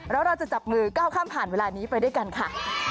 แล้วเราจะจับมือก้าวข้ามผ่านเวลานี้ไปด้วยกันค่ะ